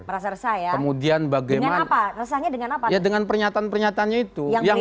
merasa saya kemudian bagaimana apa rasanya dengan apa ya dengan pernyataan pernyataannya itu yang